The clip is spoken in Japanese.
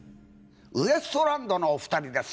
ウエストランドのお２人です。